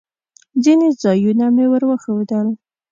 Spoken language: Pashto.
ځینې ځایونه مې ور وښوول.